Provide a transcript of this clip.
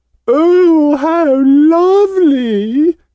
"Oh, how lovely!"